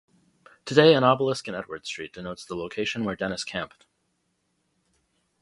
Today an obelisk in Edward Street denotes the location where Dennis camped.